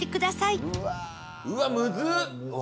うわっむずっ！